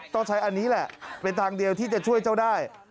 ต้องใช้อันนี้แหละเป็นทางเดียวที่จะช่วยเจ้าได้